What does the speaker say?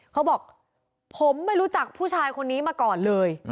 เขาบอกผมไม่รู้จักผู้ชายคนนี้มาก่อนเลย